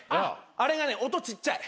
あれがね音ちっちゃい。